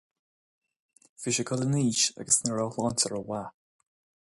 Bhí sé ag dul in aois agus ní raibh a shláinte rómhaith.